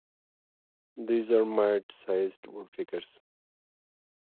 These are mid-sized woodpeckers.